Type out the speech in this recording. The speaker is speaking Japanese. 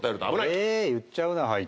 えっ言っちゃうな「はい」